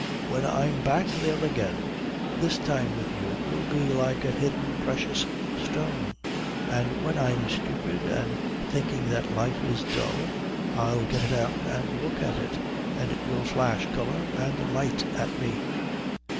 When I'm back there again, this time with you will be like a hidden precious stone, and when I'm stupid and thinking that life is dull I'll get it out and look at it, and it will flash colour and light at me."